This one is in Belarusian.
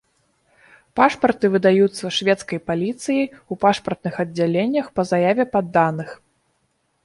Пашпарты выдаюцца шведскай паліцыяй у пашпартных аддзяленнях па заяве падданых.